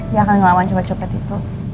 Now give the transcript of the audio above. dia akan ngelawan pencopet itu